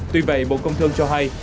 tuy vậy bộ công thương cho hay